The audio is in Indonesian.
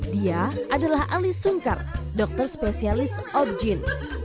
dia adalah ali sungkar dokter spesialis obgyn